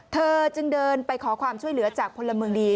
เธอจึงเดินไปขอความช่วยเหลือจากพลเมืองดี